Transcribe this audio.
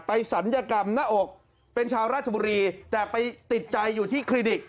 ศัลยกรรมหน้าอกเป็นชาวราชบุรีแต่ไปติดใจอยู่ที่คลินิก